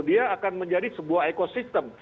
dia akan menjadi sebuah ekosistem